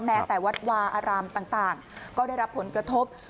แม้แต่วัดวาอารามต่างก็ได้รับผลกระทบ